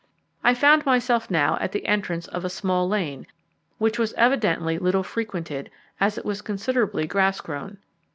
I found myself now at the entrance of a small lane, which was evidently little frequented, as it was considerably grass grown.